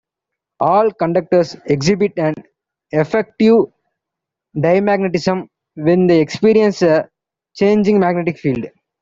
All conductors exhibit an effective diamagnetism when they experience a changing magnetic field.